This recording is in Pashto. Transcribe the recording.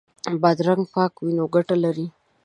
بادرنګ پاک وي نو ګټه لري.